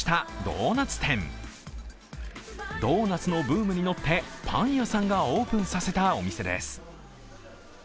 ドーナツのブームに乗ってパン屋さんがオープンさせたお店です。